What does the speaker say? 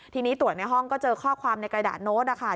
ทีนี้ตรวจในห้องก็เจอข้อความในกระดาษโน้ตนะคะ